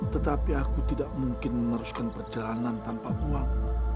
tetapi aku tidak mungkin meneruskan perjalanan tanpa uang